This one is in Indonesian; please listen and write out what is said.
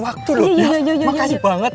waktu loh iya makasih banget